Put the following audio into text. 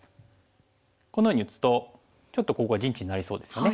このように打つとちょっとここが陣地になりそうですよね。